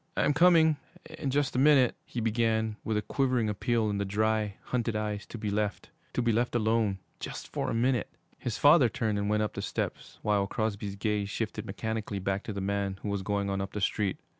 'I'm coming in just a minute,' he began, with a quivering appeal in the dry, hunted eyes to be left to be left alone just for a minute! His father turned and went up the steps, while Crosby's gaze shifted mechanically back to the man who was going on up the street.